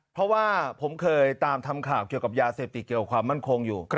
เพราะว่าผมเคยตามทำข่าวเกี่ยวกับยาเสพติดเกี่ยวกับความมั่นคงอยู่